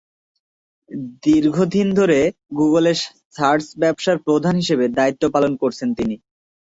দীর্ঘদিন ধরে গুগলের সার্চ ব্যবসার প্রধান হিসেবে দায়িত্ব পালন করেছেন তিনি।